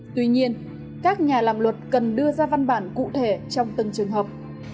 tuy nhiên các nhà làm luật cần đưa ra văn bản cụ thể trong từng trường hợp